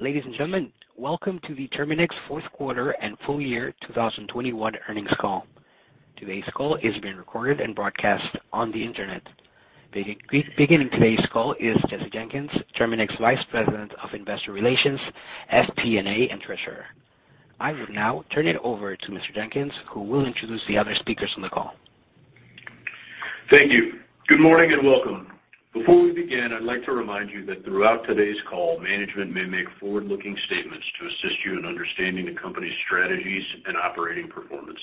Ladies and gentlemen, welcome to the Terminix fourth quarter and full year 2021 earnings call. Today's call is being recorded and broadcast on the Internet. Beginning today's call is Jesse Jenkins, Terminix Vice President of Investor Relations, FP&A, and Treasurer. I will now turn it over to Mr. Jenkins, who will introduce the other speakers on the call. Thank you. Good morning and welcome. Before we begin, I'd like to remind you that throughout today's call, management may make forward-looking statements to assist you in understanding the company's strategies and operating performance.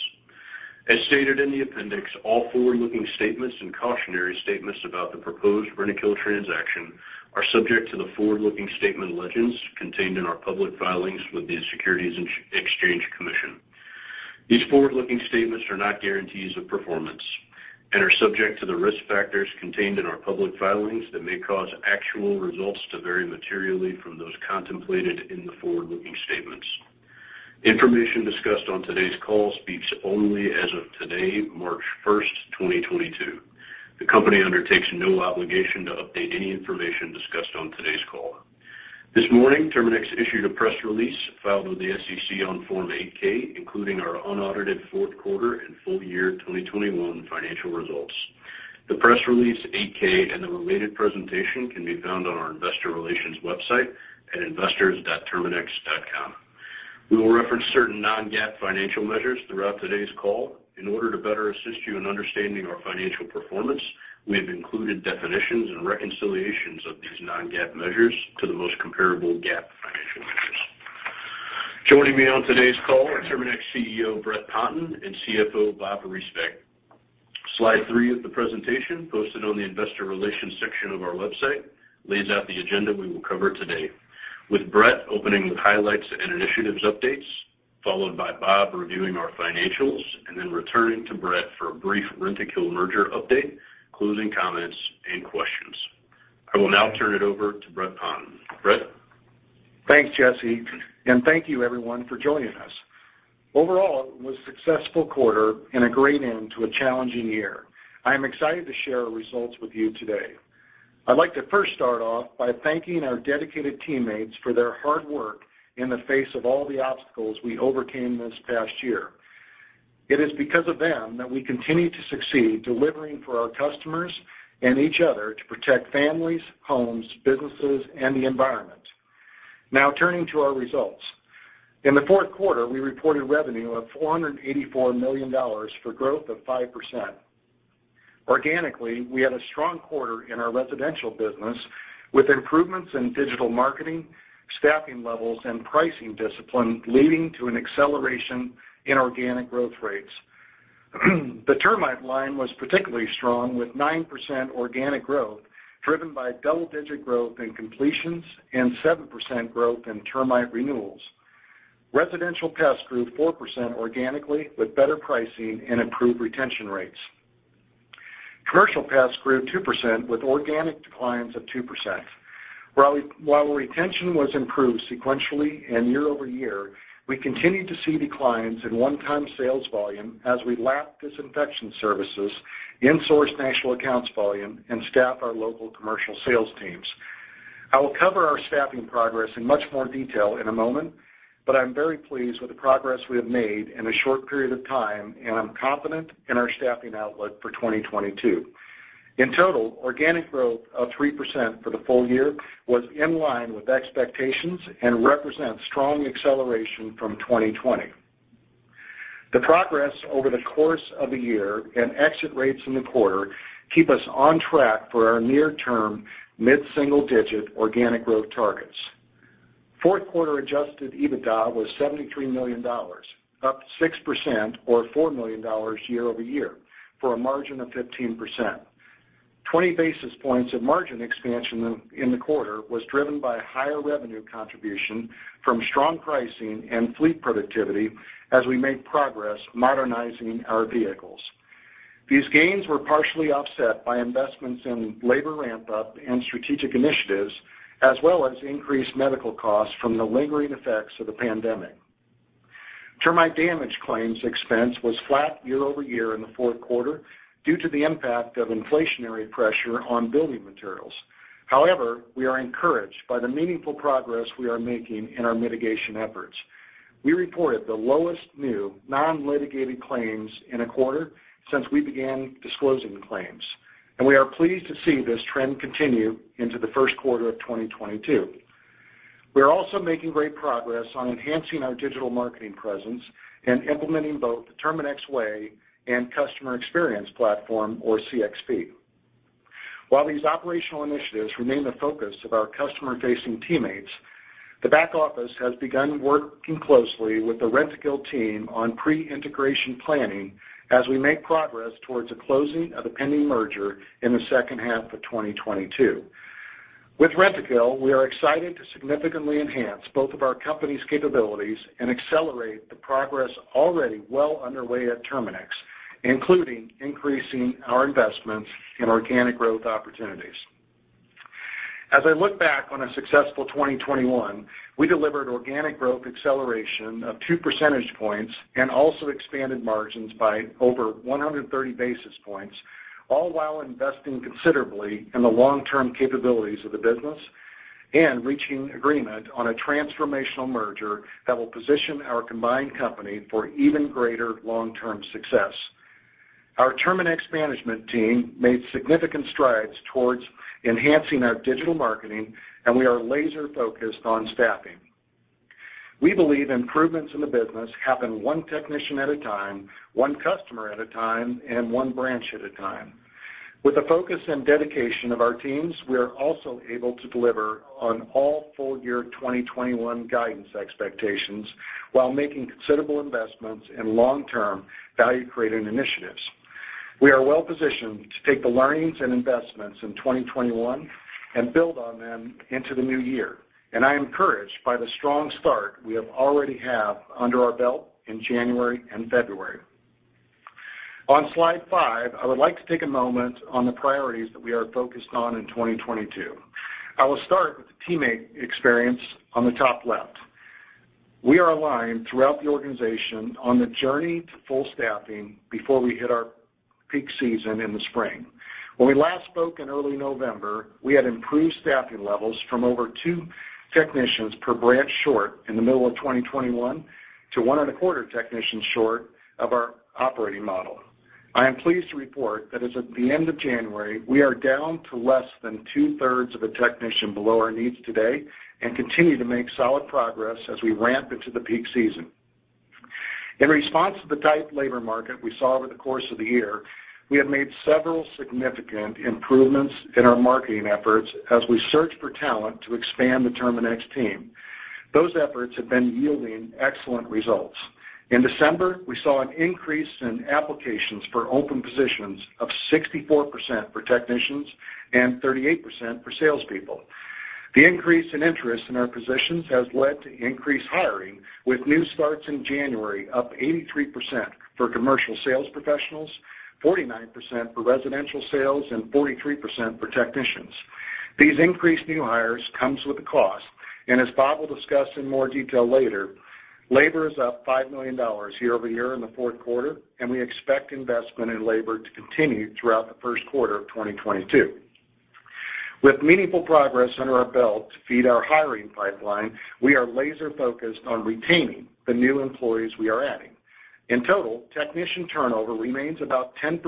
As stated in the appendix, all forward-looking statements and cautionary statements about the proposed Rentokil transaction are subject to the forward-looking statement legends contained in our public filings with the Securities and Exchange Commission. These forward-looking statements are not guarantees of performance and are subject to the risk factors contained in our public filings that may cause actual results to vary materially from those contemplated in the forward-looking statements. Information discussed on today's call speaks only as of today, March 1, 2022. The company undertakes no obligation to update any information discussed on today's call. This morning, Terminix issued a press release filed with the SEC on Form 8-K, including our unaudited fourth quarter and full year 2021 financial results. The press release, 8-K, and the related presentation can be found on our investor relations website at investors.terminix.com. We will reference certain non-GAAP financial measures throughout today's call. In order to better assist you in understanding our financial performance, we have included definitions and reconciliations of these non-GAAP measures to the most comparable GAAP financial measures. Joining me on today's call are Terminix CEO, Brett Ponton, and CFO, Bob Riesbeck. Slide 3 of the presentation, posted on the investor relations section of our website, lays out the agenda we will cover today. With Brett opening with highlights and initiatives updates, followed by Bob reviewing our financials, and then returning to Brett for a brief Rentokil merger update, closing comments, and questions. I will now turn it over to Brett Ponton. Brett? Thanks, Jesse, and thank you everyone for joining us. Overall, it was a successful quarter and a great end to a challenging year. I am excited to share our results with you today. I'd like to first start off by thanking our dedicated teammates for their hard work in the face of all the obstacles we overcame this past year. It is because of them that we continue to succeed delivering for our customers and each other to protect families, homes, businesses, and the environment. Now turning to our results. In the fourth quarter, we reported revenue of $484 million for growth of 5%. Organically, we had a strong quarter in our residential business, with improvements in digital marketing, staffing levels, and pricing discipline leading to an acceleration in organic growth rates. The termite line was particularly strong with 9% organic growth, driven by double-digit growth in completions and 7% growth in termite renewals. Residential pest grew 4% organically with better pricing and improved retention rates. Commercial pest grew 2% with organic declines of 2%. While retention was improved sequentially and year-over-year, we continued to see declines in one-time sales volume as we lap disinfection services, insourced national accounts volume, and staff our local commercial sales teams. I will cover our staffing progress in much more detail in a moment, but I'm very pleased with the progress we have made in a short period of time, and I'm confident in our staffing outlook for 2022. In total, organic growth of 3% for the full year was in line with expectations and represents strong acceleration from 2020. The progress over the course of the year and exit rates in the quarter keep us on track for our near-term mid-single-digit organic growth targets. Fourth quarter Adjusted EBITDA was $73 million, up 6% or $4 million year over year for a margin of 15%. 20 basis points of margin expansion in the quarter was driven by higher revenue contribution from strong pricing and fleet productivity as we made progress modernizing our vehicles. These gains were partially offset by investments in labor ramp-up and strategic initiatives, as well as increased medical costs from the lingering effects of the pandemic. Termite damage claims expense was flat year over year in the fourth quarter due to the impact of inflationary pressure on building materials. However, we are encouraged by the meaningful progress we are making in our mitigation efforts. We reported the lowest new non-litigated claims in a quarter since we began disclosing claims, and we are pleased to see this trend continue into the first quarter of 2022. We are also making great progress on enhancing our digital marketing presence and implementing both the Terminix Way and Customer Experience Platform or CXP. While these operational initiatives remain the focus of our customer-facing teammates, the back office has begun working closely with the Rentokil team on pre-integration planning as we make progress towards the closing of the pending merger in the second half of 2022. With Rentokil, we are excited to significantly enhance both of our company's capabilities and accelerate the progress already well underway at Terminix, including increasing our investments in organic growth opportunities. As I look back on a successful 2021, we delivered organic growth acceleration of 2 percentage points and also expanded margins by over 130 basis points, all while investing considerably in the long-term capabilities of the business and reaching agreement on a transformational merger that will position our combined company for even greater long-term success. Our Terminix management team made significant strides towards enhancing our digital marketing, and we are laser-focused on staffing. We believe improvements in the business happen one technician at a time, one customer at a time, and one branch at a time. With the focus and dedication of our teams, we are also able to deliver on all full year 2021 guidance expectations while making considerable investments in long-term value-creating initiatives. We are well-positioned to take the learnings and investments in 2021 and build on them into the new year, and I am encouraged by the strong start we already have under our belt in January and February. On slide 5, I would like to take a moment on the priorities that we are focused on in 2022. I will start with the teammate experience on the top left. We are aligned throughout the organization on the journey to full staffing before we hit our peak season in the spring. When we last spoke in early November, we had improved staffing levels from over 2 technicians per branch short in the middle of 2021 to one and a quarter technicians short of our operating model. I am pleased to report that as of the end of January, we are down to less than two-thirds of a technician below our needs today and continue to make solid progress as we ramp into the peak season. In response to the tight labor market we saw over the course of the year, we have made several significant improvements in our marketing efforts as we search for talent to expand the Terminix team. Those efforts have been yielding excellent results. In December, we saw an increase in applications for open positions of 64% for technicians and 38% for salespeople. The increase in interest in our positions has led to increased hiring, with new starts in January up 83% for commercial sales professionals, 49% for residential sales, and 43% for technicians. These increased new hires comes with a cost, and as Bob will discuss in more detail later, labor is up $5 million year over year in the fourth quarter, and we expect investment in labor to continue throughout the first quarter of 2022. With meaningful progress under our belt to feed our hiring pipeline, we are laser-focused on retaining the new employees we are adding. In total, technician turnover remains about 10%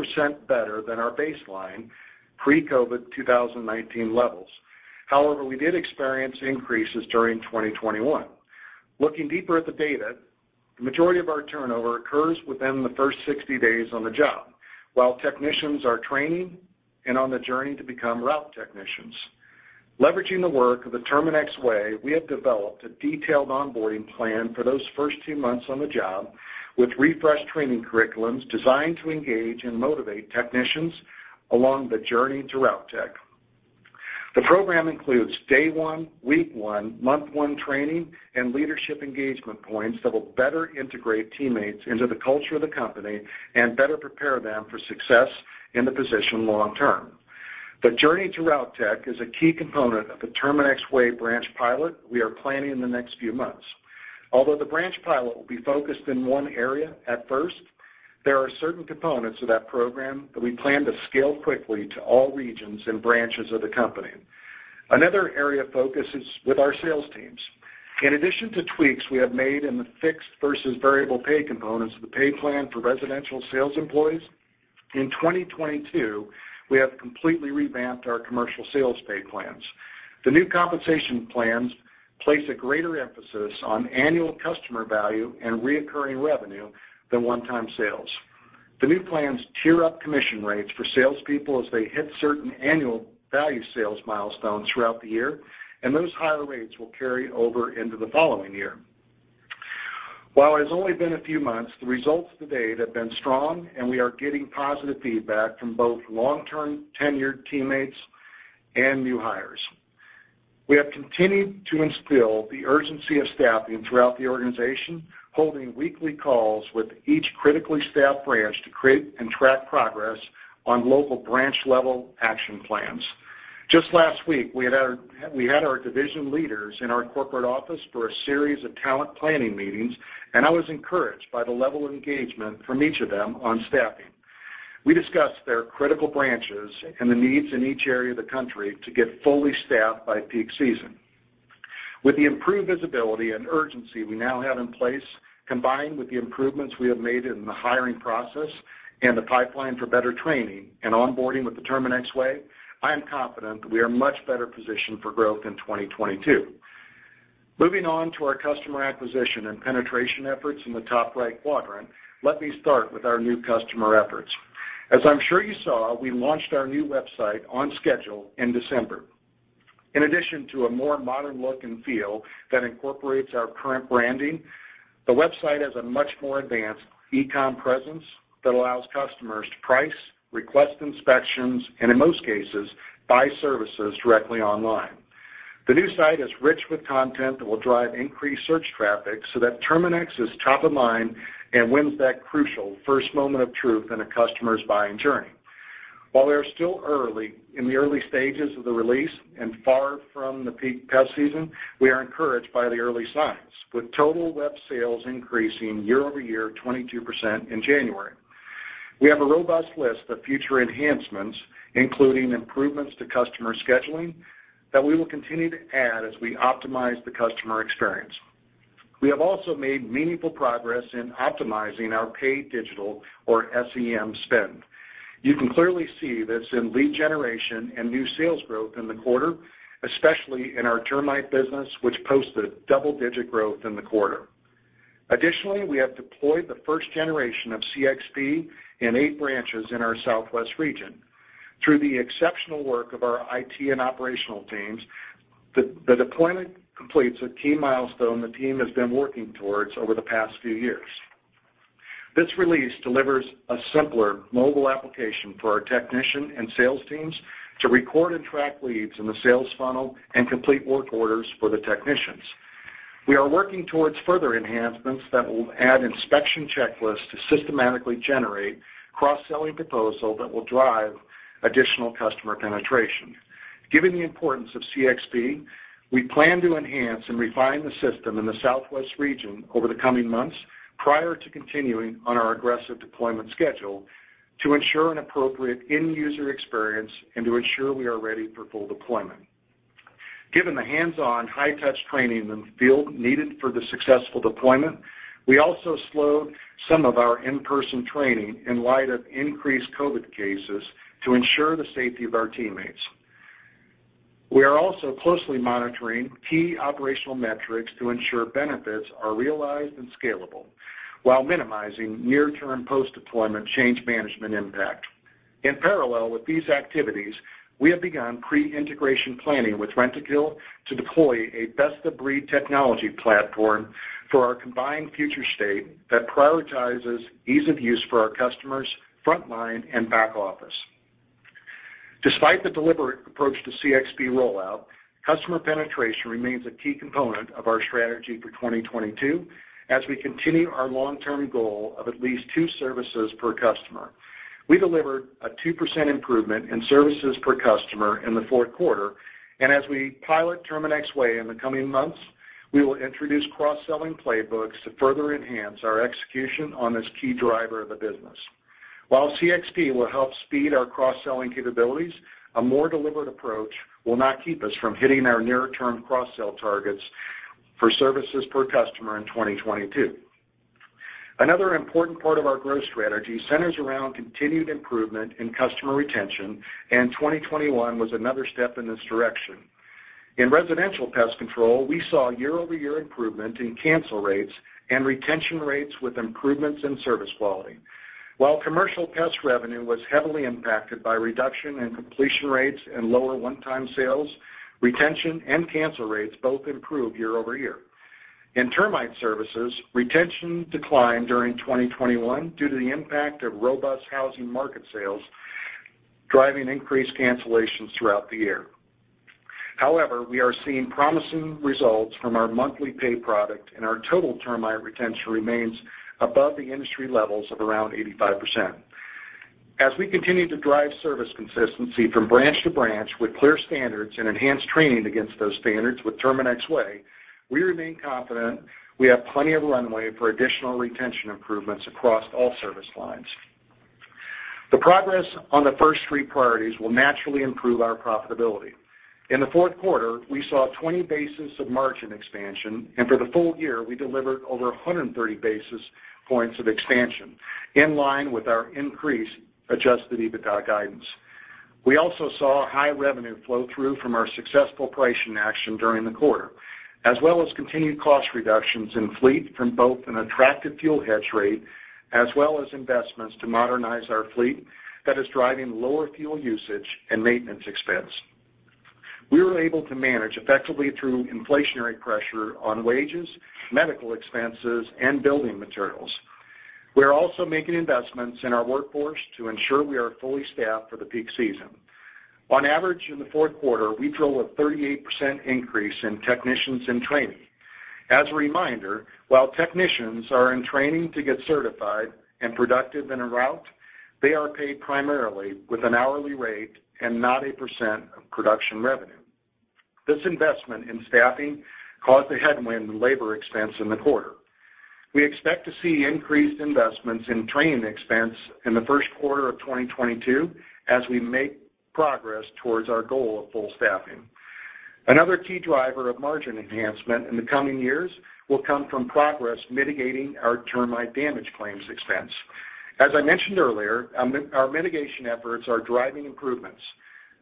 better than our baseline pre-COVID 2019 levels. However, we did experience increases during 2021. Looking deeper at the data, the majority of our turnover occurs within the first 60 days on the job while technicians are training and on the journey to become route technicians. Leveraging the work of the Terminix Way, we have developed a detailed onboarding plan for those first two months on the job with refreshed training curriculums designed to engage and motivate technicians along the journey to route tech. The program includes day one, week one, month one training and leadership engagement points that will better integrate teammates into the culture of the company and better prepare them for success in the position long term. The journey to route tech is a key component of the Terminix Way branch pilot we are planning in the next few months. Although the branch pilot will be focused in one area at first, there are certain components of that program that we plan to scale quickly to all regions and branches of the company. Another area of focus is with our sales teams. In addition to tweaks we have made in the fixed versus variable pay components of the pay plan for residential sales employees, in 2022, we have completely revamped our commercial sales pay plans. The new compensation plans place a greater emphasis on annual customer value and recurring revenue than one-time sales. The new plans tier up commission rates for salespeople as they hit certain annual value sales milestones throughout the year, and those higher rates will carry over into the following year. While it has only been a few months, the results to date have been strong, and we are getting positive feedback from both long-term tenured teammates and new hires. We have continued to instill the urgency of staffing throughout the organization, holding weekly calls with each critically staffed branch to create and track progress on local branch-level action plans. Just last week, we had our division leaders in our corporate office for a series of talent planning meetings, and I was encouraged by the level of engagement from each of them on staffing. We discussed their critical branches and the needs in each area of the country to get fully staffed by peak season. With the improved visibility and urgency we now have in place, combined with the improvements we have made in the hiring process and the pipeline for better training and onboarding with the Terminix Way, I am confident we are much better positioned for growth in 2022. Moving on to our customer acquisition and penetration efforts in the top right quadrant, let me start with our new customer efforts. As I'm sure you saw, we launched our new website on schedule in December. In addition to a more modern look and feel that incorporates our current branding, the website has a much more advanced e-com presence that allows customers to price, request inspections, and in most cases, buy services directly online. The new site is rich with content that will drive increased search traffic so that Terminix is top of mind and wins that crucial first moment of truth in a customer's buying journey. While we are still early, in the early stages of the release and far from the peak pest season, we are encouraged by the early signs, with total web sales increasing year-over-year 22% in January. We have a robust list of future enhancements, including improvements to customer scheduling, that we will continue to add as we optimize the customer experience. We have also made meaningful progress in optimizing our paid digital or SEM spend. You can clearly see this in lead generation and new sales growth in the quarter, especially in our termite business, which posted double-digit growth in the quarter. Additionally, we have deployed the first generation of CXP in 8 branches in our Southwest region. Through the exceptional work of our IT and operational teams, the deployment completes a key milestone the team has been working towards over the past few years. This release delivers a simpler mobile application for our technician and sales teams to record and track leads in the sales funnel and complete work orders for the technicians. We are working towards further enhancements that will add inspection checklists to systematically generate cross-selling proposal that will drive additional customer penetration. Given the importance of CXP, we plan to enhance and refine the system in the Southwest region over the coming months prior to continuing on our aggressive deployment schedule to ensure an appropriate end user experience and to ensure we are ready for full deployment. Given the hands-on, high-touch training in the field needed for the successful deployment, we also slowed some of our in-person training in light of increased COVID cases to ensure the safety of our teammates. We are also closely monitoring key operational metrics to ensure benefits are realized and scalable while minimizing near-term post-deployment change management impact. In parallel with these activities, we have begun pre-integration planning with Rentokil to deploy a best-of-breed technology platform for our combined future state that prioritizes ease of use for our customers, front line, and back office. Despite the deliberate approach to CXP rollout, customer penetration remains a key component of our strategy for 2022 as we continue our long-term goal of at least two services per customer. We delivered a 2% improvement in services per customer in the fourth quarter, and as we pilot Terminix Way in the coming months, we will introduce cross-selling playbooks to further enhance our execution on this key driver of the business. While CXP will help speed our cross-selling capabilities, a more deliberate approach will not keep us from hitting our near-term cross-sell targets for services per customer in 2022. Another important part of our growth strategy centers around continued improvement in customer retention, and 2021 was another step in this direction. In residential pest control, we saw year-over-year improvement in cancel rates and retention rates with improvements in service quality. While commercial pest revenue was heavily impacted by reduction in completion rates and lower one-time sales, retention and cancel rates both improved year-over-year. In termite services, retention declined during 2021 due to the impact of robust housing market sales, driving increased cancellations throughout the year. However, we are seeing promising results from our monthly pay product, and our total termite retention remains above the industry levels of around 85%. As we continue to drive service consistency from branch to branch with clear standards and enhanced training against those standards with Terminix Way, we remain confident we have plenty of runway for additional retention improvements across all service lines. The progress on the first three priorities will naturally improve our profitability. In the fourth quarter, we saw 20 basis points of margin expansion, and for the full year, we delivered over 130 basis points of expansion in line with our increased Adjusted EBITDA guidance. We also saw high revenue flow through from our successful pricing action during the quarter, as well as continued cost reductions in fleet from both an attractive fuel hedge rate as well as investments to modernize our fleet that is driving lower fuel usage and maintenance expense. We were able to manage effectively through inflationary pressure on wages, medical expenses, and building materials. We are also making investments in our workforce to ensure we are fully staffed for the peak season. On average, in the fourth quarter, we drove a 38% increase in technicians in training. As a reminder, while technicians are in training to get certified and productive in a route, they are paid primarily with an hourly rate and not a percent of production revenue. This investment in staffing caused a headwind in labor expense in the quarter. We expect to see increased investments in training expense in the first quarter of 2022 as we make progress towards our goal of full staffing. Another key driver of margin enhancement in the coming years will come from progress mitigating our termite damage claims expense. As I mentioned earlier, our mitigation efforts are driving improvements.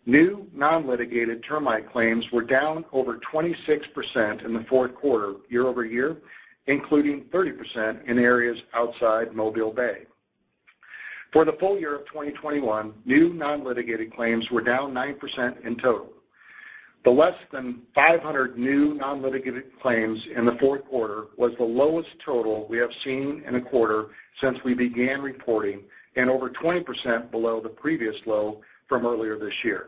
New non-litigated termite claims were down over 26% in the fourth quarter year-over-year, including 30% in areas outside Mobile Bay. For the full year of 2021, new non-litigated claims were down 9% in total. Less than 500 new non-litigated claims in the fourth quarter was the lowest total we have seen in a quarter since we began reporting and over 20% below the previous low from earlier this year.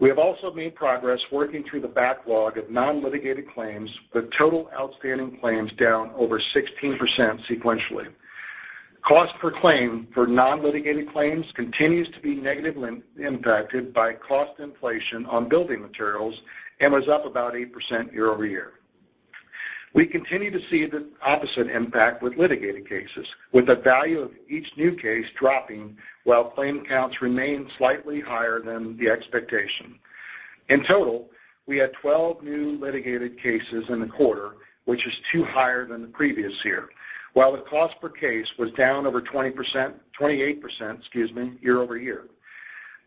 We have also made progress working through the backlog of non-litigated claims, with total outstanding claims down over 16% sequentially. Cost per claim for non-litigated claims continues to be negatively impacted by cost inflation on building materials and was up about 8% year-over-year. We continue to see the opposite impact with litigated cases, with the value of each new case dropping while claim counts remain slightly higher than the expectation. In total, we had 12 new litigated cases in the quarter, which is 2 higher than the previous year. While the cost per case was down over 20%, 28%, excuse me, year-over-year.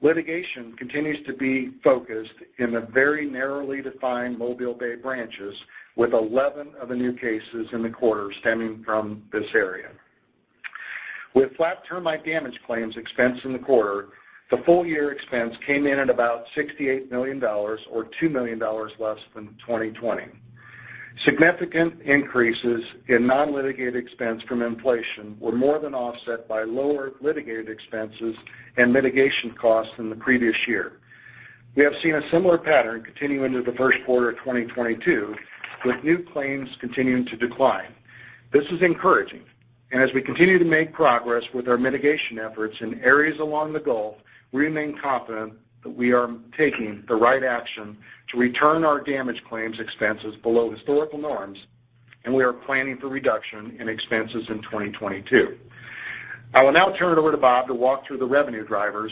Litigation continues to be focused in the very narrowly defined Mobile Bay branches, with 11 of the new cases in the quarter stemming from this area. With flat termite damage claims expense in the quarter, the full year expense came in at about $68 million or $2 million less than 2020. Significant increases in non-litigated expense from inflation were more than offset by lower litigated expenses and mitigation costs than the previous year. We have seen a similar pattern continue into the first quarter of 2022, with new claims continuing to decline. This is encouraging, and as we continue to make progress with our mitigation efforts in areas along the Gulf, we remain confident that we are taking the right action to return our damage claims expenses below historical norms, and we are planning for reduction in expenses in 2022. I will now turn it over to Bob to walk through the revenue drivers,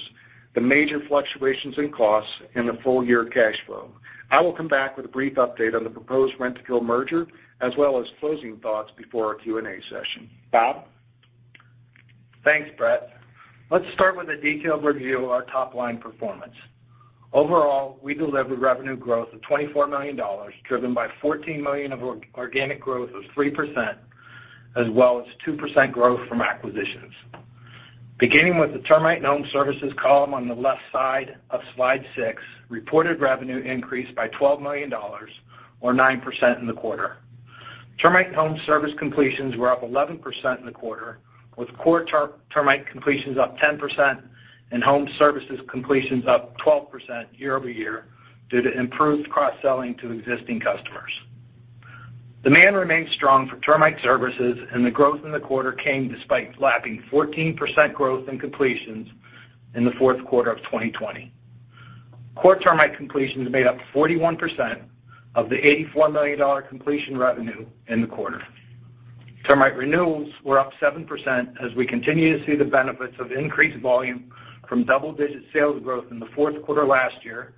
the major fluctuations in costs, and the full year cash flow. I will come back with a brief update on the proposed Rentokil merger, as well as closing thoughts before our Q&A session. Bob? Thanks, Brett. Let's start with a detailed review of our top-line performance. Overall, we delivered revenue growth of $24 million, driven by $14 million of organic growth of 3%, as well as 2% growth from acquisitions. Beginning with the termite and home services column on the left side of slide 6, reported revenue increased by $12 million or 9% in the quarter. Termite home service completions were up 11% in the quarter, with core termite completions up 10% and home services completions up 12% year-over-year due to improved cross-selling to existing customers. Demand remains strong for termite services, and the growth in the quarter came despite lapping 14% growth in completions in the fourth quarter of 2020. Core termite completions made up 41% of the $84 million completion revenue in the quarter. Termite renewals were up 7% as we continue to see the benefits of increased volume from double-digit sales growth in the fourth quarter last year,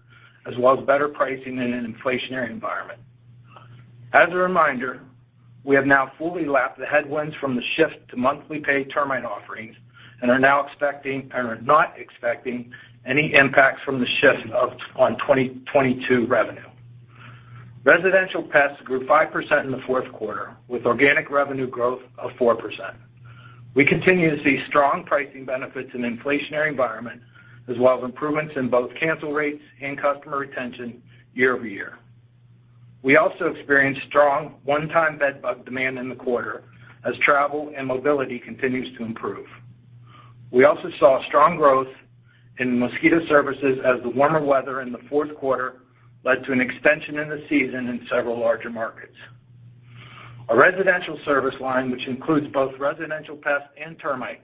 as well as better pricing in an inflationary environment. As a reminder, we have now fully lapped the headwinds from the shift to monthly paid termite offerings and are not expecting any impacts from the shift on 2022 revenue. Residential pests grew 5% in the fourth quarter, with organic revenue growth of 4%. We continue to see strong pricing benefits in inflationary environment, as well as improvements in both cancel rates and customer retention year over year. We also experienced strong one-time bedbug demand in the quarter as travel and mobility continues to improve. We also saw strong growth in mosquito services as the warmer weather in the fourth quarter led to an extension in the season in several larger markets. Our residential service line, which includes both residential pests and termite,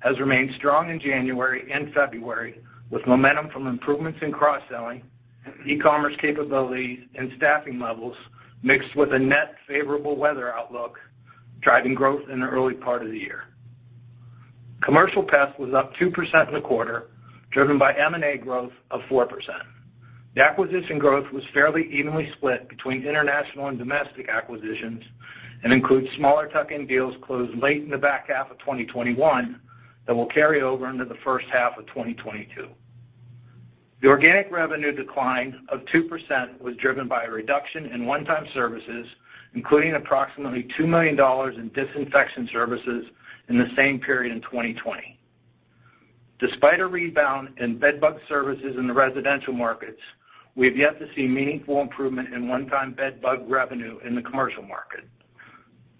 has remained strong in January and February, with momentum from improvements in cross-selling, e-commerce capabilities, and staffing levels mixed with a net favorable weather outlook, driving growth in the early part of the year. Commercial pest was up 2% in the quarter, driven by M&A growth of 4%. The acquisition growth was fairly evenly split between international and domestic acquisitions and includes smaller tuck-in deals closed late in the back half of 2021 that will carry over into the first half of 2022. The organic revenue decline of 2% was driven by a reduction in one-time services, including approximately $2 million in disinfection services in the same period in 2020. Despite a rebound in bedbug services in the residential markets, we have yet to see meaningful improvement in one-time bedbug revenue in the commercial market.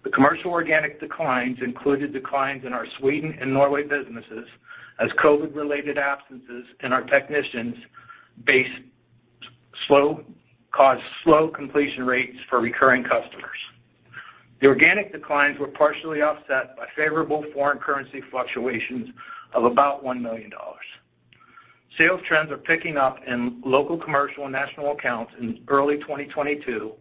The commercial organic declines included declines in our Sweden and Norway businesses as COVID-related absences in our technicians base caused slow completion rates for recurring customers. The organic declines were partially offset by favorable foreign currency fluctuations of about $1 million. Sales trends are picking up in local commercial and national accounts in early 2022,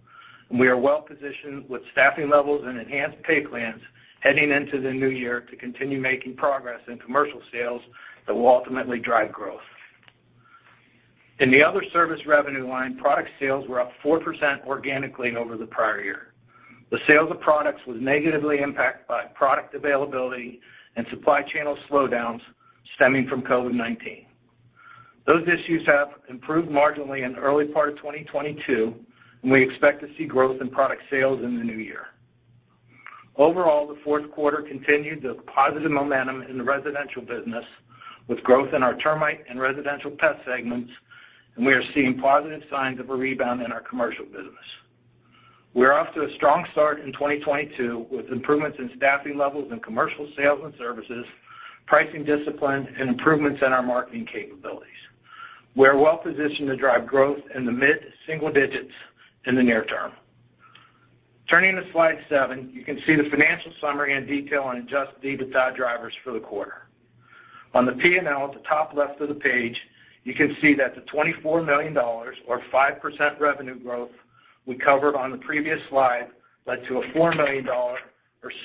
and we are well positioned with staffing levels and enhanced pay plans heading into the new year to continue making progress in commercial sales that will ultimately drive growth. In the other service revenue line, product sales were up 4% organically over the prior year. The sales of products was negatively impacted by product availability and supply channel slowdowns stemming from COVID-19. Those issues have improved marginally in early part of 2022, and we expect to see growth in product sales in the new year. Overall, the fourth quarter continued the positive momentum in the residential business with growth in our termite and residential pest segments, and we are seeing positive signs of a rebound in our commercial business. We're off to a strong start in 2022 with improvements in staffing levels and commercial sales and services, pricing discipline, and improvements in our marketing capabilities. We're well-positioned to drive growth in the mid-single digits in the near term. Turning to slide 7, you can see the financial summary and detail on adjusted EBITDA drivers for the quarter. On the P&L at the top left of the page, you can see that the $24 million or 5% revenue growth we covered on the previous slide led to a $4 million or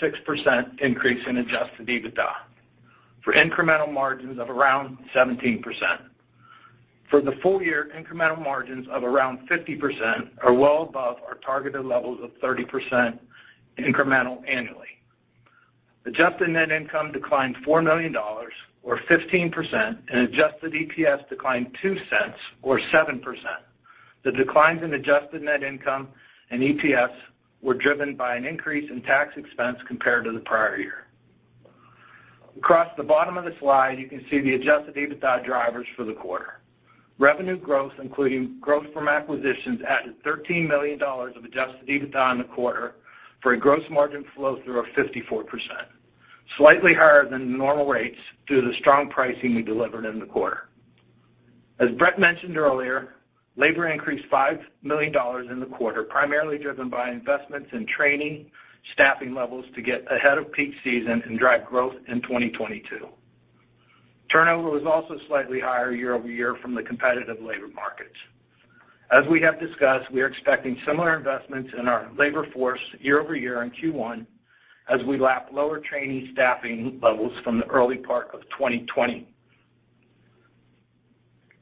6% increase in Adjusted EBITDA for incremental margins of around 17%. For the full year, incremental margins of around 50% are well above our targeted levels of 30% incremental annually. Adjusted Net Income declined $4 million or 15%, and Adjusted EPS declined $0.02 or 7%. The declines in Adjusted Net Income and EPS were driven by an increase in tax expense compared to the prior year. Across the bottom of the slide, you can see the Adjusted EBITDA drivers for the quarter. Revenue growth, including growth from acquisitions, added $13 million of Adjusted EBITDA in the quarter for a gross margin flow-through of 54%. Slightly higher than normal rates due to the strong pricing we delivered in the quarter. As Brett mentioned earlier, labor increased $5 million in the quarter, primarily driven by investments in training, staffing levels to get ahead of peak season, and drive growth in 2022. Turnover was also slightly higher year-over-year from the competitive labor markets. As we have discussed, we are expecting similar investments in our labor force year-over-year in Q1 as we lap lower training staffing levels from the early part of 2020.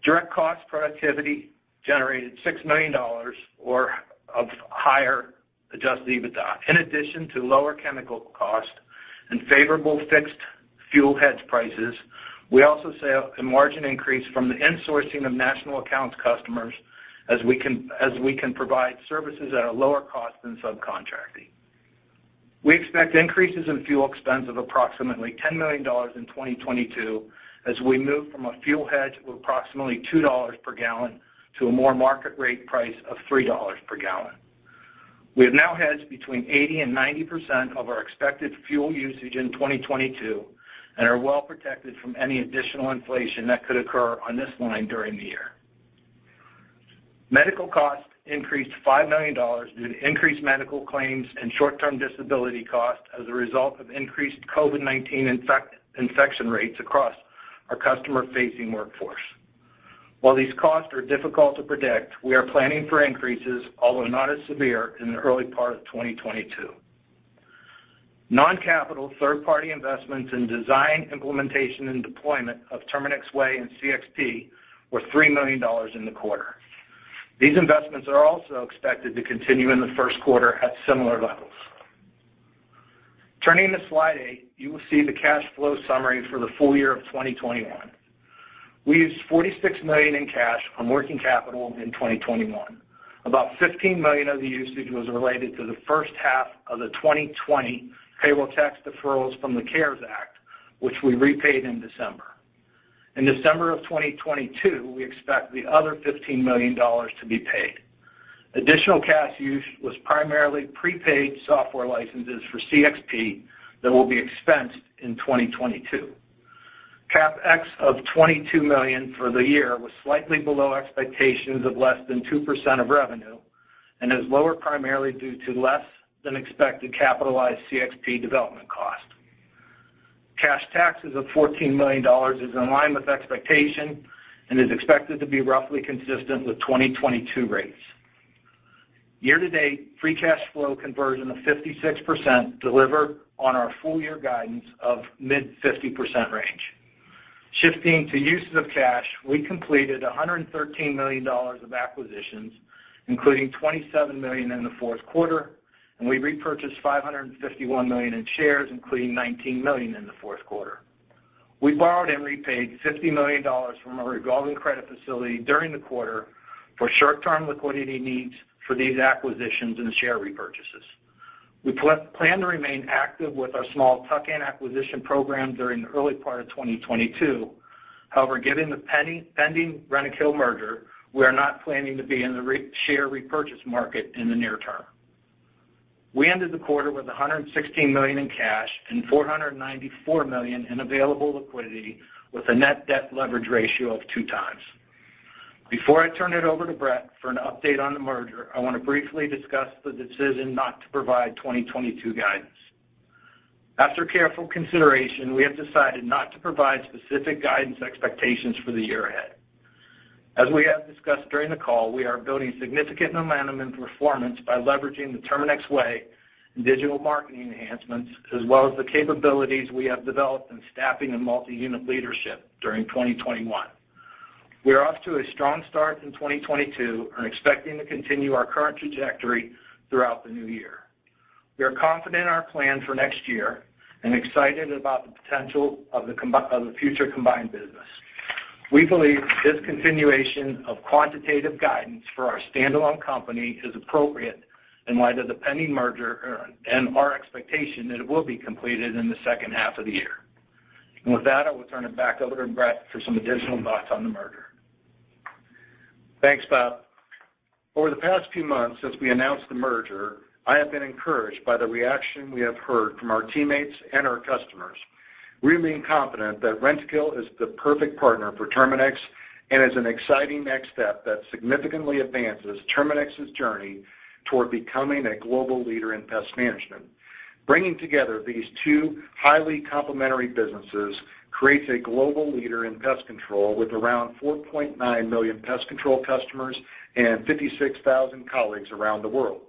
Direct cost productivity generated $6 million of higher Adjusted EBITDA. In addition to lower chemical cost and favorable fixed fuel hedge prices, we also saw a margin increase from the insourcing of national accounts customers as we can provide services at a lower cost than subcontracting. We expect increases in fuel expense of approximately $10 million in 2022 as we move from a fuel hedge of approximately $2 per gallon to a more market rate price of $3 per gallon. We have now hedged between 80% and 90% of our expected fuel usage in 2022 and are well protected from any additional inflation that could occur on this line during the year. Medical costs increased $5 million due to increased medical claims and short-term disability costs as a result of increased COVID-19 infection rates across our customer-facing workforce. While these costs are difficult to predict, we are planning for increases, although not as severe, in the early part of 2022. Non-capital third-party investments in design, implementation, and deployment of Terminix Way and CXP were $3 million in the quarter. These investments are also expected to continue in the first quarter at similar levels. Turning to slide 8, you will see the cash flow summary for the full year of 2021. We used $46 million in cash on working capital in 2021. About $15 million of the usage was related to the first half of the 2020 payroll tax deferrals from the CARES Act, which we repaid in December. In December of 2022, we expect the other $15 million to be paid. Additional cash use was primarily prepaid software licenses for CXP that will be expensed in 2022. CapEx of $22 million for the year was slightly below expectations of less than 2% of revenue and is lower primarily due to less than expected capitalized CXP development cost. Cash taxes of $14 million is in line with expectation and is expected to be roughly consistent with 2022 rates. Year to date, free cash flow conversion of 56% delivered on our full year guidance of mid-50% range. Shifting to uses of cash, we completed $113 million of acquisitions, including $27 million in the fourth quarter, and we repurchased $551 million in shares, including $19 million in the fourth quarter. We borrowed and repaid $50 million from a revolving credit facility during the quarter for short-term liquidity needs for these acquisitions and share repurchases. We plan to remain active with our small tuck-in acquisition program during the early part of 2022. However, given the pending Rentokil merger, we are not planning to be in the share repurchase market in the near term. We ended the quarter with $116 million in cash and $494 million in available liquidity with a net debt leverage ratio of 2x. Before I turn it over to Brett for an update on the merger, I wanna briefly discuss the decision not to provide 2022 guidance. After careful consideration, we have decided not to provide specific guidance expectations for the year ahead. As we have discussed during the call, we are building significant momentum and performance by leveraging the Terminix Way and digital marketing enhancements, as well as the capabilities we have developed in staffing and multi-unit leadership during 2021. We are off to a strong start in 2022 and are expecting to continue our current trajectory throughout the new year. We are confident in our plan for next year and excited about the potential of the future combined business. We believe discontinuation of quantitative guidance for our standalone company is appropriate in light of the pending merger and our expectation that it will be completed in the second half of the year. With that, I will turn it back over to Brett for some additional thoughts on the merger. Thanks, Bob. Over the past few months since we announced the merger, I have been encouraged by the reaction we have heard from our teammates and our customers. We remain confident that Rentokil is the perfect partner for Terminix and is an exciting next step that significantly advances Terminix's journey toward becoming a global leader in pest management. Bringing together these two highly complementary businesses creates a global leader in pest control with around 4.9 million pest control customers and 56,000 colleagues around the world.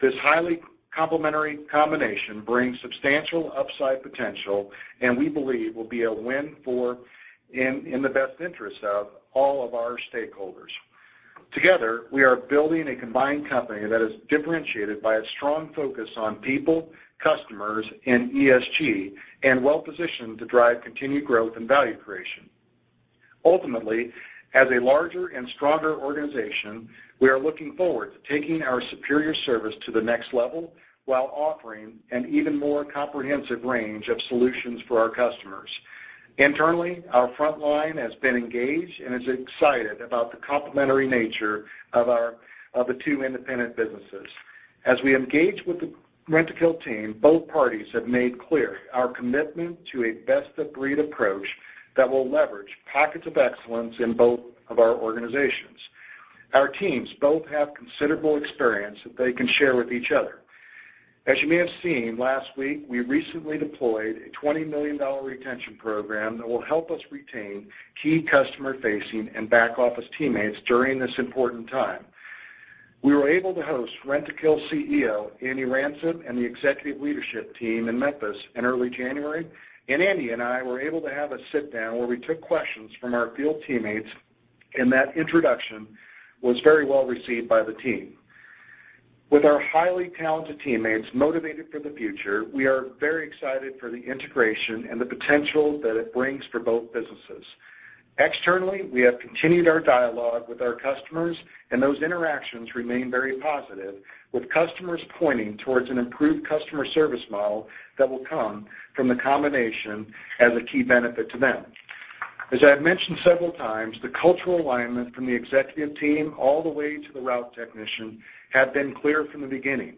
This highly complementary combination brings substantial upside potential, and we believe will be a win for in the best interest of all of our stakeholders. Together, we are building a combined company that is differentiated by a strong focus on people, customers, and ESG, and well-positioned to drive continued growth and value creation. Ultimately, as a larger and stronger organization, we are looking forward to taking our superior service to the next level while offering an even more comprehensive range of solutions for our customers. Internally, our front line has been engaged and is excited about the complementary nature of the two independent businesses. As we engage with the Rentokil team, both parties have made clear our commitment to a best-of-breed approach that will leverage pockets of excellence in both of our organizations. Our teams both have considerable experience that they can share with each other. As you may have seen, last week, we recently deployed a $20 million retention program that will help us retain key customer facing and back office teammates during this important time. We were able to host Rentokil CEO Andy Ransom and the executive leadership team in Memphis in early January. Andy and I were able to have a sit down where we took questions from our field teammates, and that introduction was very well received by the team. With our highly talented teammates motivated for the future, we are very excited for the integration and the potential that it brings for both businesses. Externally, we have continued our dialogue with our customers, and those interactions remain very positive, with customers pointing towards an improved customer service model that will come from the combination as a key benefit to them. As I have mentioned several times, the cultural alignment from the executive team all the way to the route technician have been clear from the beginning.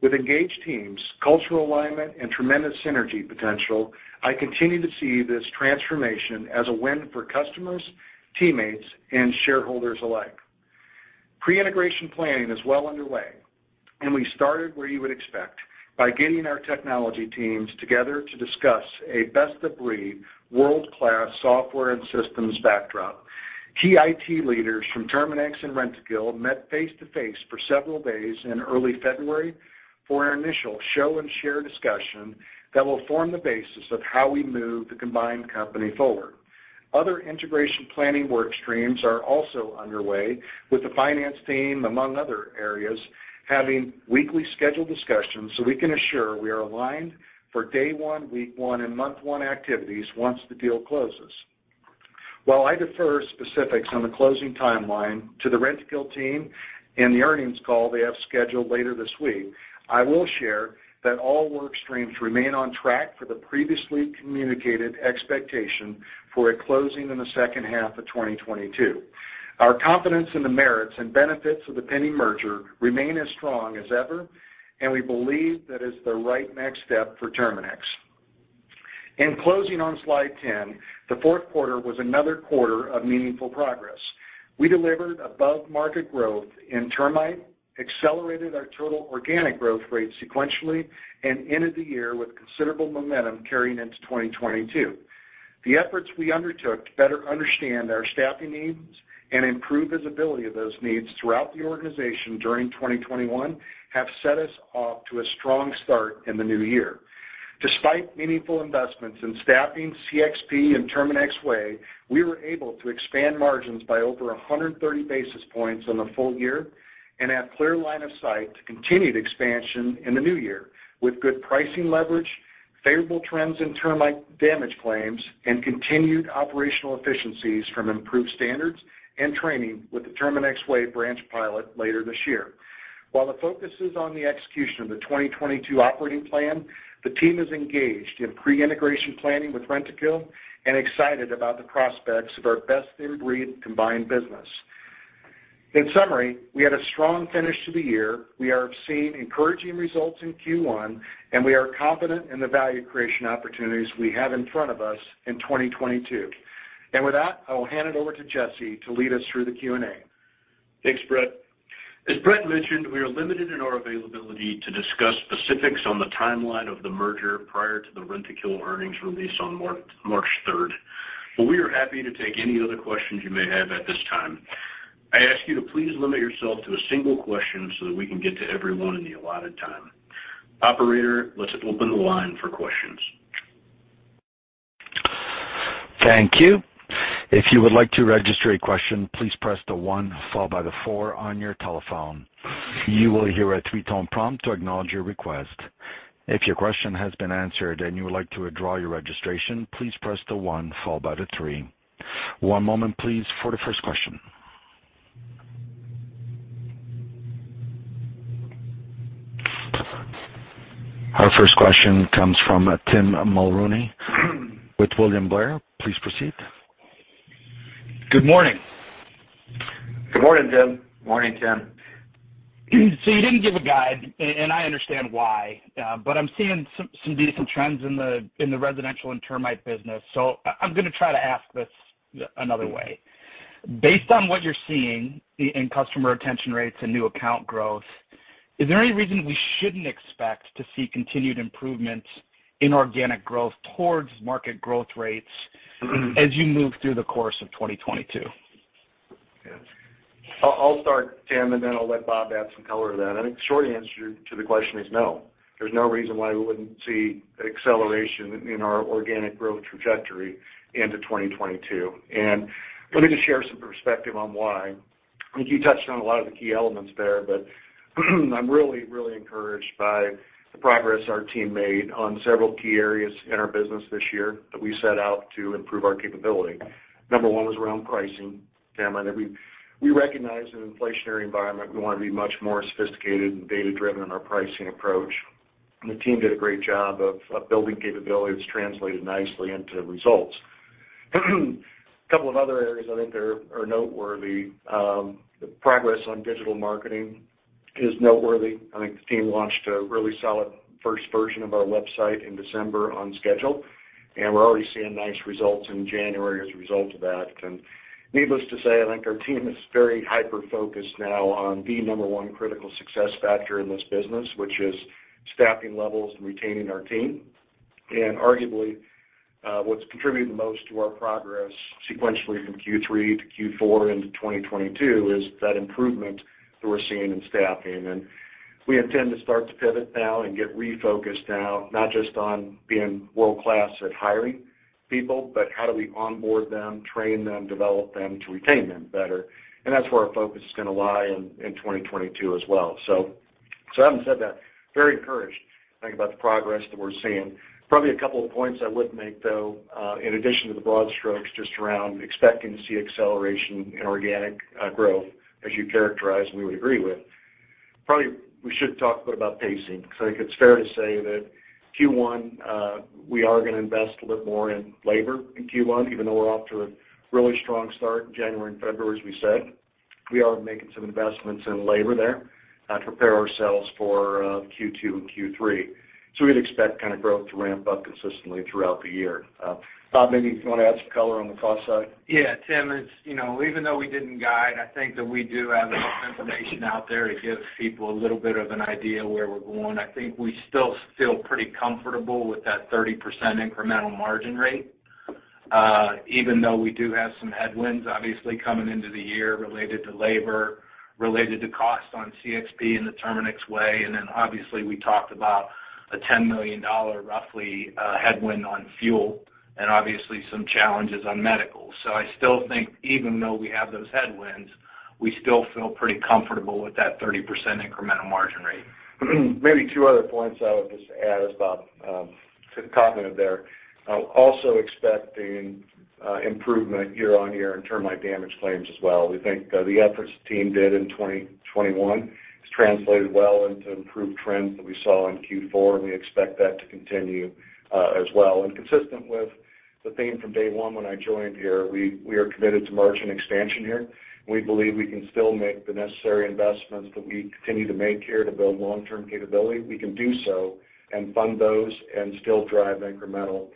With engaged teams, cultural alignment, and tremendous synergy potential, I continue to see this transformation as a win for customers, teammates, and shareholders alike. Pre-integration planning is well underway, and we started where you would expect by getting our technology teams together to discuss a best-of-breed, world-class software and systems backdrop. Key IT leaders from Terminix and Rentokil met face-to-face for several days in early February for our initial show and share discussion that will form the basis of how we move the combined company forward. Other integration planning work streams are also underway with the finance team, among other areas, having weekly scheduled discussions so we can assure we are aligned for day one, week one, and month one activities once the deal closes. While I defer specifics on the closing timeline to the Rentokil team and the earnings call they have scheduled later this week, I will share that all work streams remain on track for the previously communicated expectation for a closing in the second half of 2022. Our confidence in the merits and benefits of the pending merger remain as strong as ever, and we believe that it's the right next step for Terminix. In closing on slide 10, the fourth quarter was another quarter of meaningful progress. We delivered above-market growth in termite, accelerated our total organic growth rate sequentially, and ended the year with considerable momentum carrying into 2022. The efforts we undertook to better understand our staffing needs and improve visibility of those needs throughout the organization during 2021 have set us off to a strong start in the new year. Despite meaningful investments in staffing, CXP, and Terminix Way, we were able to expand margins by over 130 basis points on the full year and have clear line of sight to continued expansion in the new year with good pricing leverage, favorable trends in termite damage claims, and continued operational efficiencies from improved standards and training with the Terminix Way branch pilot later this year. While the focus is on the execution of the 2022 operating plan, the team is engaged in pre-integration planning with Rentokil and excited about the prospects of our best-in-breed combined business. In summary, we had a strong finish to the year. We are seeing encouraging results in Q1, and we are confident in the value creation opportunities we have in front of us in 2022. With that, I will hand it over to Jesse to lead us through the Q&A. Thanks, Brett. As Brett mentioned, we are limited in our availability to discuss specifics on the timeline of the merger prior to the Rentokil earnings release on March third. We are happy to take any other questions you may have at this time. I ask you to please limit yourself to a single question so that we can get to everyone in the allotted time. Operator, let's open the line for questions. Thank you. If you would like to register a question, please press the one followed by the four on your telephone. You will hear a two-tone prompt to acknowledge your request. If your question has been answered and you would like to withdraw your registration, please press the one followed by the three. One moment, please, for the first question. Our first question comes from Tim Mulrooney with William Blair. Please proceed. Good morning. Good morning, Tim. Morning, Tim. You didn't give a guide, and I understand why, but I'm seeing some decent trends in the residential and termite business. I'm gonna try to ask this another way. Based on what you're seeing in customer retention rates and new account growth, is there any reason we shouldn't expect to see continued improvements in organic growth towards market growth rates as you move through the course of 2022? I'll start, Tim, and then I'll let Bob add some color to that. I think the short answer to the question is no. There's no reason why we wouldn't see acceleration in our organic growth trajectory into 2022. Let me just share some perspective on why. I think you touched on a lot of the key elements there, but I'm really, really encouraged by the progress our team made on several key areas in our business this year that we set out to improve our capability. Number one was around pricing, Tim. I think we recognize in an inflationary environment, we want to be much more sophisticated and data-driven in our pricing approach. The team did a great job of building capability that's translated nicely into results. A couple of other areas I think that are noteworthy. The progress on digital marketing is noteworthy. I think the team launched a really solid first version of our website in December on schedule, and we're already seeing nice results in January as a result of that. Needless to say, I think our team is very hyper-focused now on the number one critical success factor in this business, which is staffing levels and retaining our team. Arguably, what's contributing the most to our progress sequentially from Q3 to Q4 into 2022 is that improvement that we're seeing in staffing. We intend to start to pivot now and get refocused now, not just on being world-class at hiring people, but how do we onboard them, train them, develop them to retain them better. That's where our focus is gonna lie in 2022 as well. Having said that, we're very encouraged thinking about the progress that we're seeing. Probably a couple of points I would make, though, in addition to the broad strokes, just around expecting to see acceleration in organic growth as you characterize, and we would agree with. Probably, we should talk a bit about pacing. I think it's fair to say that Q1 we are gonna invest a little more in labor in Q1, even though we're off to a really strong start in January and February, as we said. We are making some investments in labor there to prepare ourselves for Q2 and Q3. We'd expect kind of growth to ramp up consistently throughout the year. Bob, maybe you wanna add some color on the cost side? Yeah, Tim, it's, you know, even though we didn't guide. I think that we do have enough information out there to give people a little bit of an idea where we're going. I think we still feel pretty comfortable with that 30% incremental margin rate, even though we do have some headwinds, obviously, coming into the year related to labor, related to cost on CXP and the Terminix Way. We talked about a $10 million, roughly, headwind on fuel and obviously some challenges on medical. I still think even though we have those headwinds, we still feel pretty comfortable with that 30% incremental margin rate. Maybe two other points I would just add, as Bob commented there. Also expecting improvement year on year in termite damage claims as well. We think the efforts the team did in 2021 has translated well into improved trends that we saw in Q4, and we expect that to continue as well. Consistent with the theme from day one when I joined here, we are committed to margin expansion here. We believe we can still make the necessary investments that we continue to make here to build long-term capability. We can do so and fund those and still drive incremental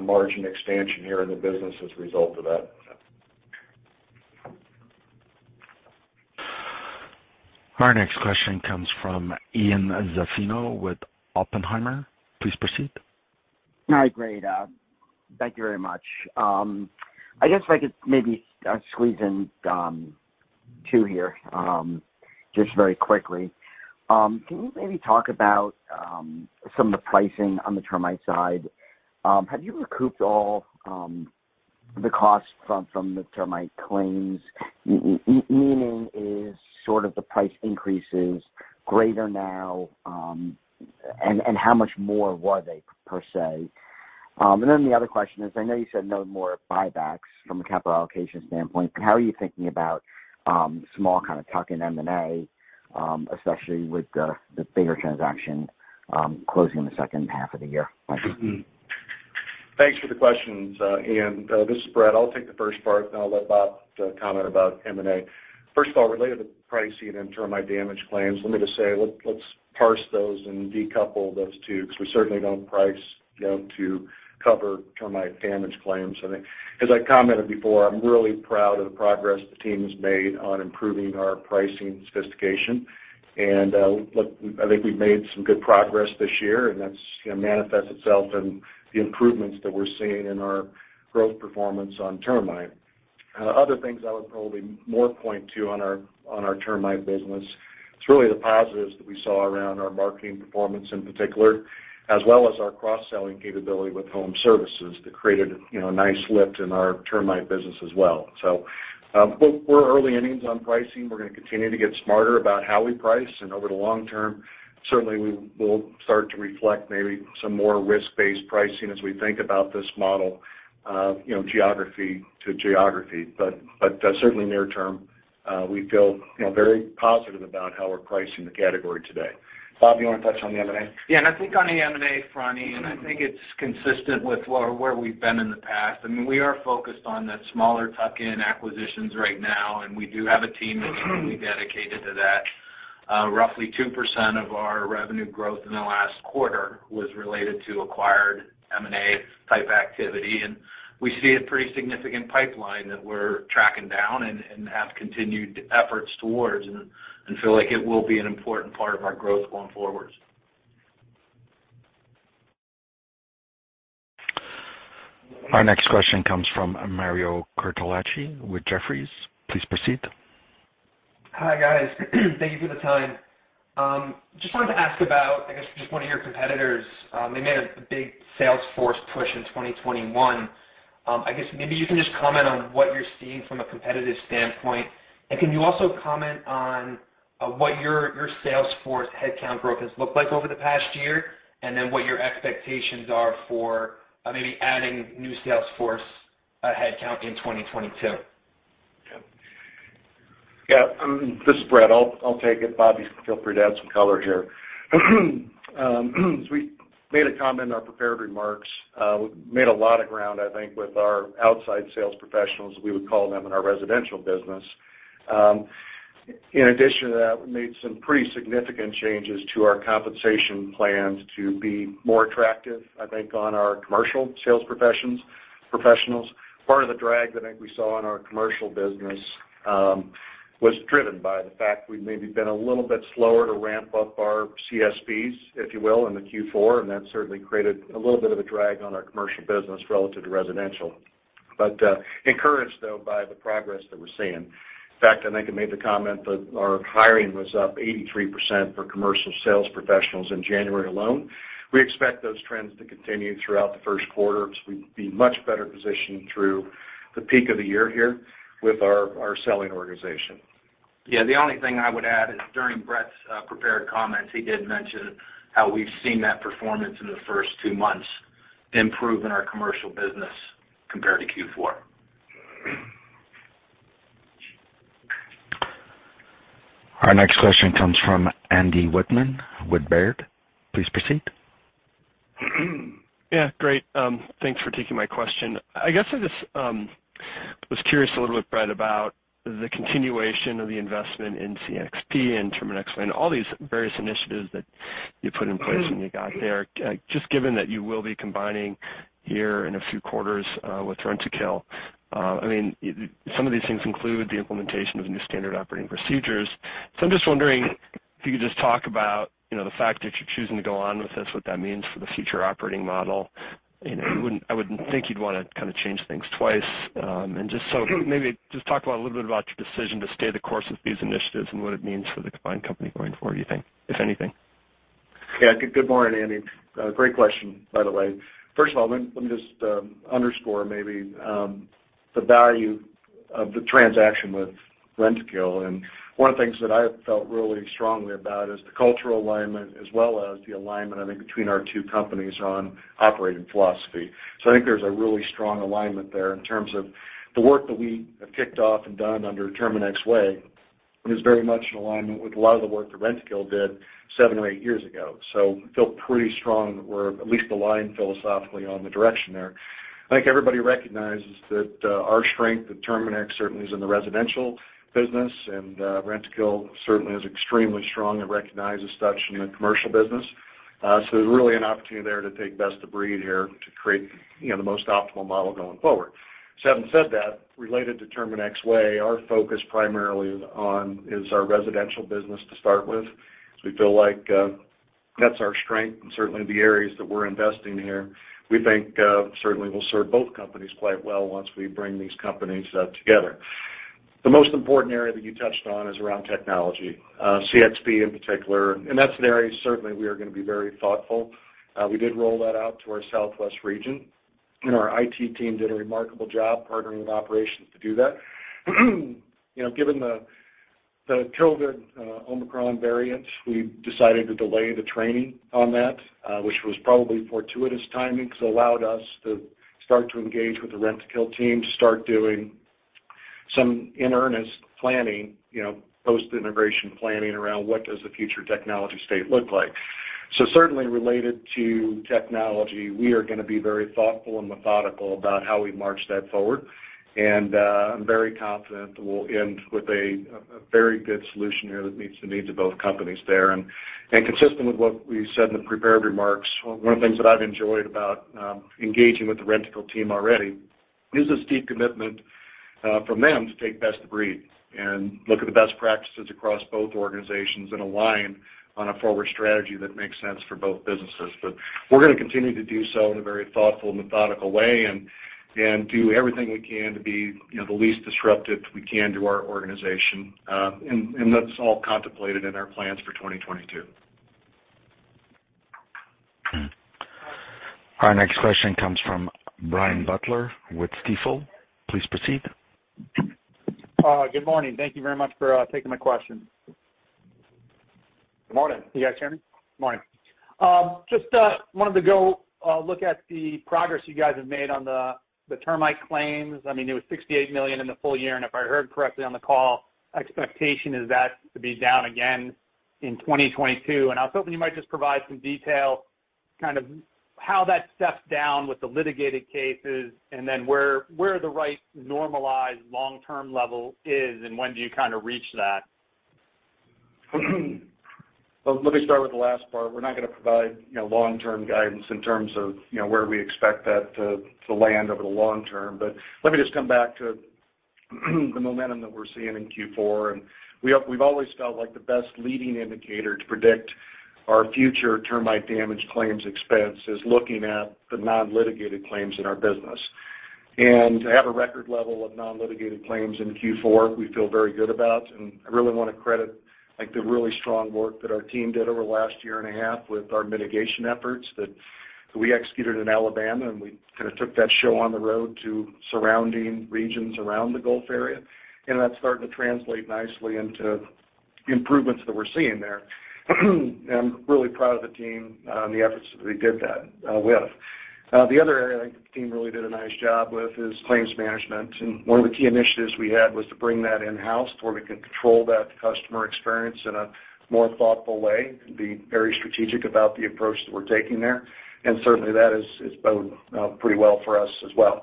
margin expansion here in the business as a result of that. Our next question comes from Ian Zaffino with Oppenheimer. Please proceed. All right, great. Thank you very much. I guess if I could maybe squeeze in two here just very quickly. Can you maybe talk about some of the pricing on the termite side? Have you recouped all the costs from the termite claims? Meaning is sort of the price increases greater now, and how much more were they per se? And then the other question is, I know you said no more buybacks from a capital allocation standpoint. How are you thinking about small kind of tuck-in M&A, especially with the bigger transaction closing in the second half of the year? Thank you. Thanks for the questions, Ian. This is Brett. I'll take the first part, then I'll let Bob comment about M&A. First of all, related to pricing and termite damage claims, let me just say, let's parse those and decouple those two, because we certainly don't price, you know, to cover termite damage claims. I think, as I commented before, I'm really proud of the progress the team has made on improving our pricing sophistication. Look, I think we've made some good progress this year, and that's, you know, manifests itself in the improvements that we're seeing in our growth performance on termite. Other things I would probably more point to on our termite business. It's really the positives that we saw around our marketing performance in particular, as well as our cross-selling capability with home services that created, you know, a nice lift in our termite business as well. We're early innings on pricing. We're gonna continue to get smarter about how we price. Over the long term, certainly, we will start to reflect maybe some more risk-based pricing as we think about this model. You know, geography to geography. But certainly near term, we feel, you know, very positive about how we're pricing the category today. Bobby, you wanna touch on the M&A? Yeah, I think on the M&A front, Ian, I think it's consistent with where we've been in the past. I mean, we are focused on the smaller tuck-in acquisitions right now, and we do have a team that's really dedicated to that. Roughly 2% of our revenue growth in the last quarter was related to acquired M&A type activity. We see a pretty significant pipeline that we're tracking down and have continued efforts towards and feel like it will be an important part of our growth going forward. Our next question comes from Mario Cortellacci with Jefferies. Please proceed. Hi, guys. Thank you for the time. Just wanted to ask about, I guess, just one of your competitors. They made a big sales force push in 2021. I guess maybe you can just comment on what you're seeing from a competitive standpoint. Can you also comment on what your sales force headcount growth has looked like over the past year, and then what your expectations are for maybe adding new sales force headcount in 2022? This is Brett. I'll take it. Bobby, feel free to add some color here. We made a comment in our prepared remarks. We made a lot of ground, I think, with our outside sales professionals, we would call them, in our residential business. In addition to that, we made some pretty significant changes to our compensation plans to be more attractive, I think, on our commercial sales professionals. Part of the drag that I think we saw in our commercial business was driven by the fact we've maybe been a little bit slower to ramp up our CSPs, if you will, in the Q4, and that certainly created a little bit of a drag on our commercial business relative to residential. Encouraged, though, by the progress that we're seeing. In fact, I think I made the comment that our hiring was up 83% for commercial sales professionals in January alone. We expect those trends to continue throughout the first quarter, as we'd be much better positioned through the peak of the year here with our selling organization. Yeah, the only thing I would add is during Brett's prepared comments, he did mention how we've seen that performance in the first two months improve in our commercial business compared to Q4. Our next question comes from Andy Wittmann with Baird. Please proceed. Yeah, great. Thanks for taking my question. I guess I just was curious a little bit, Brett, about the continuation of the investment in CXP and Terminix Way and all these various initiatives that you put in place when you got there. Just given that you will be combining here in a few quarters with Rentokil, I mean, some of these things include the implementation of new standard operating procedures. I'm just wondering if you could just talk about, you know, the fact that you're choosing to go on with this, what that means for the future operating model. You know, I wouldn't think you'd wanna kind of change things twice. Just so maybe just talk about a little bit about your decision to stay the course with these initiatives and what it means for the combined company going forward, you think, if anything. Yeah. Good morning, Andy. Great question, by the way. First of all, let me just underscore maybe the value of the transaction with Rentokil. One of the things that I felt really strongly about is the cultural alignment as well as the alignment, I think, between our two companies on operating philosophy. I think there's a really strong alignment there in terms of the work that we have kicked off and done under Terminix Way is very much in alignment with a lot of the work that Rentokil did seven or eight years ago. Feel pretty strong that we're at least aligned philosophically on the direction there. I think everybody recognizes that our strength at Terminix certainly is in the residential business, and Rentokil certainly is extremely strong and recognizes such in the commercial business. There's really an opportunity there to take best of breed here to create, you know, the most optimal model going forward. Having said that, related to Terminix Way, our focus primarily is our residential business to start with, as we feel like that's our strength and certainly the areas that we're investing here, we think certainly will serve both companies quite well once we bring these companies together. The most important area that you touched on is around technology, CXP in particular. That's an area certainly we are gonna be very thoughtful. We did roll that out to our Southwest region, and our IT team did a remarkable job partnering with operations to do that. You know, given the COVID, Omicron variant, we decided to delay the training on that, which was probably fortuitous timing, because it allowed us to start to engage with the Rentokil team to start doing some in earnest planning, you know, post-integration planning around what does the future technology state look like? Certainly related to technology, we are gonna be very thoughtful and methodical about how we march that forward. I'm very confident that we'll end with a very good solution here that meets the needs of both companies there. Consistent with what we said in the prepared remarks, one of the things that I've enjoyed about engaging with the Rentokil team already is a steep commitment from them to take best of breed and look at the best practices across both organizations and align on a forward strategy that makes sense for both businesses. But we're gonna continue to do so in a very thoughtful and methodical way and do everything we can to be, you know, the least disruptive we can to our organization. And that's all contemplated in our plans for 2022. Our next question comes from Brian Butler with Stifel. Please proceed. Good morning. Thank you very much for taking my question. Good morning. Can you guys hear me? Good morning. Just wanted to go look at the progress you guys have made on the termite claims. I mean, it was $68 million in the full year, and if I heard correctly on the call, expectation is that to be down again in 2022. I was hoping you might just provide some detail, kind of how that steps down with the litigated cases, and then where the right normalized long-term level is, and when do you kind of reach that? Well, let me start with the last part. We're not gonna provide, you know, long-term guidance in terms of, you know, where we expect that to land over the long term. Let me just come back to the momentum that we're seeing in Q4. We've always felt like the best leading indicator to predict our future termite damage claims expense is looking at the non-litigated claims in our business. To have a record level of non-litigated claims in Q4, we feel very good about. I really wanna credit, like, the really strong work that our team did over the last year and a half with our mitigation efforts that we executed in Alabama, and we kind of took that show on the road to surrounding regions around the Gulf area. That's starting to translate nicely into improvements that we're seeing there. I'm really proud of the team and the efforts that they did with. The other area I think the team really did a nice job with is claims management. One of the key initiatives we had was to bring that in-house to where we can control that customer experience in a more thoughtful way and be very strategic about the approach that we're taking there. Certainly, that has bode pretty well for us as well.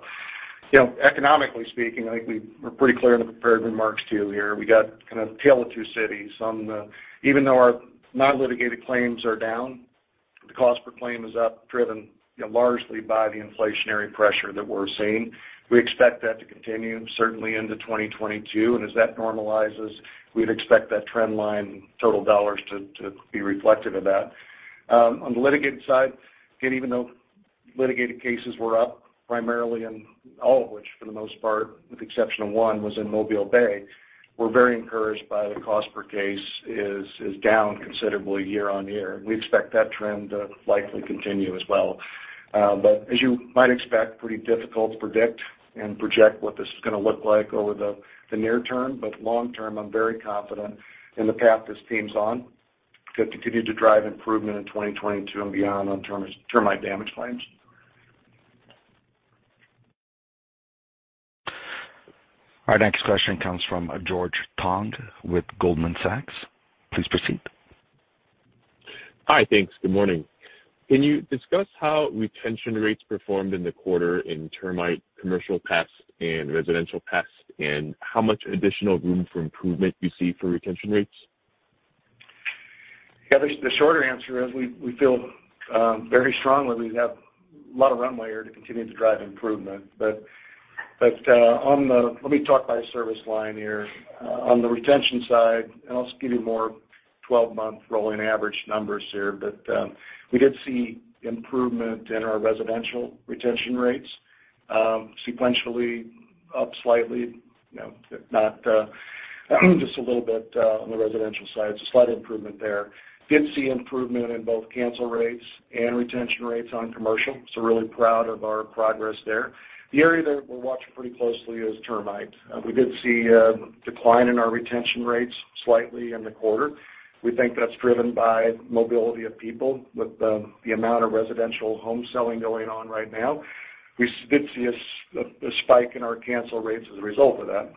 You know, economically speaking, I think we were pretty clear in the prepared remarks too here. We got kind of a tale of two cities. Even though our non-litigated claims are down, the cost per claim is up, driven, you know, largely by the inflationary pressure that we're seeing. We expect that to continue certainly into 2022. As that normalizes, we'd expect that trend line total dollars to be reflective of that. On the litigated side, again, even though litigated cases were up primarily, and all of which for the most part, with the exception of one, was in Mobile Bay. We're very encouraged by the cost per case is down considerably year-over-year. We expect that trend to likely continue as well. As you might expect, pretty difficult to predict and project what this is gonna look like over the near term. Long term, I'm very confident in the path this team's on to continue to drive improvement in 2022 and beyond on termite damage claims. Our next question comes from George Tong with Goldman Sachs. Please proceed. Hi. Thanks. Good morning. Can you discuss how retention rates performed in the quarter in termite, commercial pest, and residential pest, and how much additional room for improvement you see for retention rates? Yeah. The shorter answer is we feel very strongly we have a lot of runway here to continue to drive improvement. But let me talk by service line here. On the retention side, and I'll give you more twelve-month rolling average numbers here, but we did see improvement in our residential retention rates, sequentially up slightly, you know, not just a little bit on the residential side. Slight improvement there. Did see improvement in both cancel rates and retention rates on commercial, so really proud of our progress there. The area that we're watching pretty closely is termites. We did see a decline in our retention rates slightly in the quarter. We think that's driven by mobility of people with the amount of residential home selling going on right now. We did see a spike in our cancel rates as a result of that.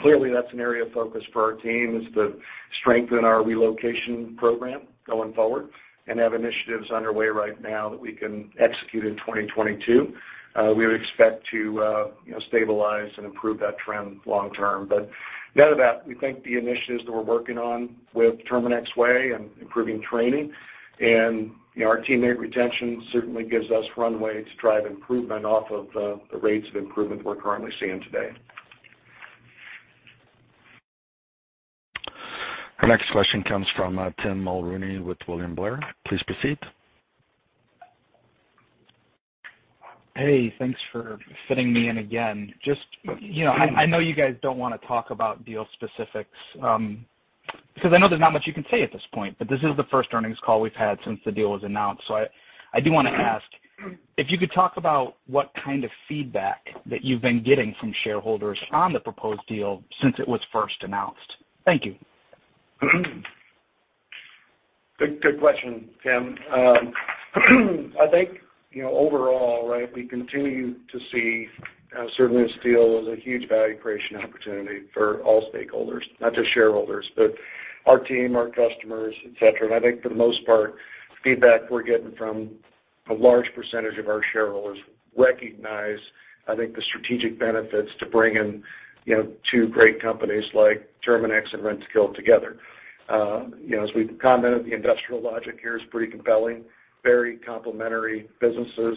Clearly, that's an area of focus for our team, is to strengthen our relocation program going forward and have initiatives underway right now that we can execute in 2022. We would expect to, you know, stabilize and improve that trend long term. Net of that, we think the initiatives that we're working on with Terminix Way and improving training and, you know, our teammate retention certainly gives us runway to drive improvement off of, the rates of improvement we're currently seeing today. Our next question comes from, Tim Mulrooney with William Blair. Please proceed. Hey, thanks for fitting me in again. Just, you know. I know you guys don't wanna talk about deal specifics, because I know there's not much you can say at this point, but this is the first earnings call we've had since the deal was announced. I do wanna ask if you could talk about what kind of feedback that you've been getting from shareholders on the proposed deal since it was first announced. Thank you. Good question, Tim. I think, you know, overall, right, we continue to see certainly this deal as a huge value creation opportunity for all stakeholders. Not just shareholders, but our team, our customers, et cetera. I think for the most part, feedback we're getting from a large percentage of our shareholders recognize, I think, the strategic benefits to bringing, you know, two great companies like Terminix and Rentokil together. You know, as we've commented, the industrial logic here is pretty compelling, very complementary businesses.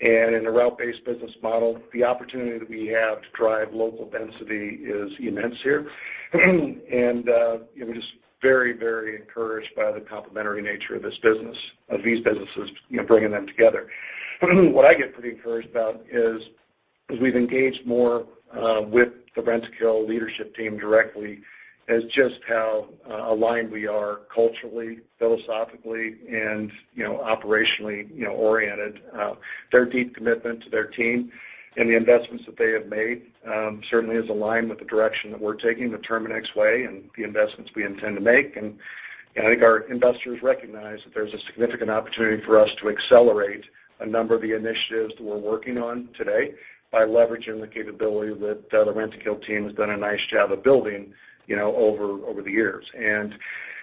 In a route-based business model, the opportunity that we have to drive local density is immense here. You know, we're just very, very encouraged by the complementary nature of this business, of these businesses, you know, bringing them together. What I get pretty encouraged about is, as we've engaged more with the Rentokil leadership team directly, is just how aligned we are culturally, philosophically, and, you know, operationally, you know, oriented. Their deep commitment to their team and the investments that they have made certainly is aligned with the direction that we're taking, the Terminix Way, and the investments we intend to make. I think our investors recognize that there's a significant opportunity for us to accelerate a number of the initiatives that we're working on today by leveraging the capability that the Rentokil team has done a nice job of building, you know, over the years.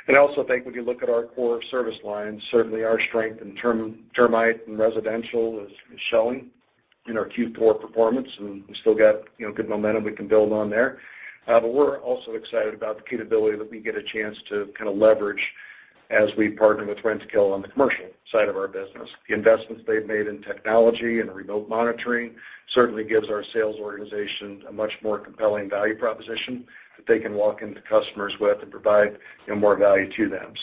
I also think when you look at our core service lines, certainly our strength in termite and residential is showing in our Q4 performance, and we've still got, you know, good momentum we can build on there. We're also excited about the capability that we get a chance to kinda leverage as we partner with Rentokil on the commercial side of our business. The investments they've made in technology and remote monitoring certainly gives our sales organization a much more compelling value proposition that they can walk into customers with and provide, you know, more value to them.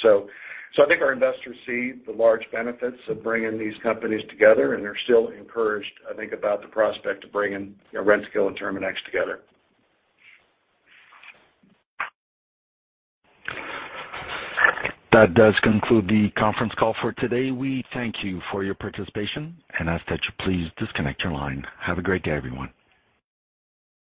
I think our investors see the large benefits of bringing these companies together, and they're still encouraged, I think, about the prospect of bringing, you know, Rentokil and Terminix together. That does conclude the conference call for today. We thank you for your participation and ask that you please disconnect your line. Have a great day, everyone.